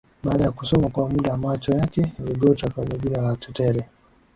Baada ya kusoma kwa muda macho yake yaligota kwenye jina la Tetere